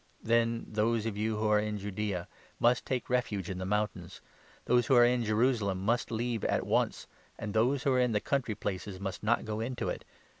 Then those of you who are in Judaea must take 21 refuge in the mountains, those who are in Jerusalem must leave at once, and those who are in the country places must not go into it.